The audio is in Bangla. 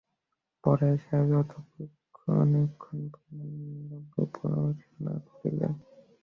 পরেশ আজ অনেকক্ষণ পর্যন্ত নীরবে উপাসনা করিলেন।